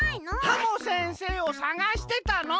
ハモ先生を探してたの！